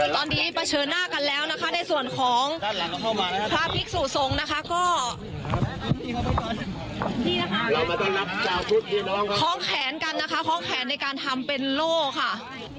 ก็ค่องแขนกันนะคะค่องแขนในการทำเป็นโล่ค่ะ